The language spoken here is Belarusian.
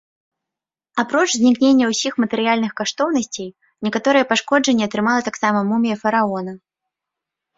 Апроч знікнення ўсіх матэрыяльных каштоўнасцей, некаторыя пашкоджанні атрымала таксама мумія фараона.